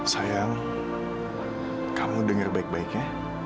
sayang kamu dengar baik baiknya